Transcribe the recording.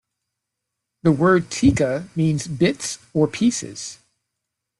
The word "tikka" means "bits" or "pieces".